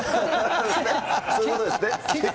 そういうことですね。